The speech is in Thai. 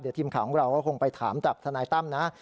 ทีมข่าวของเราก็คงไปถามจากทนายตั้มนะ